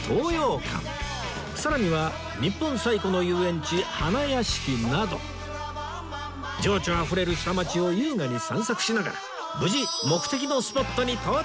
さらには日本最古の遊園地花やしきなど情緒あふれる下町を優雅に散策しながら無事目的のスポットに到着！